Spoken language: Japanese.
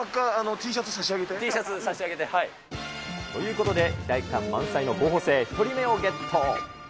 Ｔシャツ、差し上げて。ということで、期待感満載の１人目をゲット。